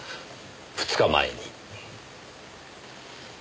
２日前に。